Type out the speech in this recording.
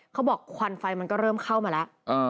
ควันไฟมันก็เริ่มเข้ามาแล้ว